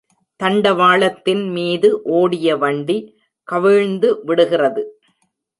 தண்டவாளத்தின் மீது ஓடிய வண்டி கவிழ்ந்து விடுகிறது.